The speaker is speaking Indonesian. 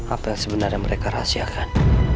apa yang sebenarnya mereka rahasiakan